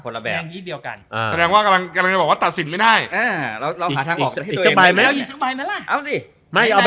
ส์แสดงว่ากำลังจะบอกว่าตัดสินไม่ได้